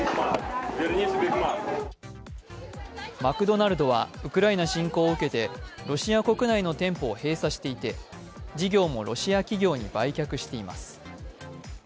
マクドナルドはウクライナ侵攻を受けて、ロシア国内の店舗を閉鎖していて事業もロシア企業に売却しています。